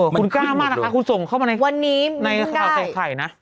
คุณกล้ามากนะคะคุณส่งเข้ามาในข่าวเศรษฐ์ไข่นะ